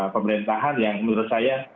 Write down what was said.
pemerintahan yang menurut saya